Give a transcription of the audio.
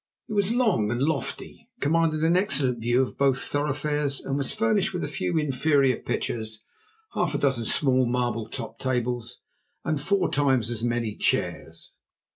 It was long and lofty, commanded an excellent view of both thoroughfares, and was furnished with a few inferior pictures, half a dozen small marble top tables, and four times as many chairs.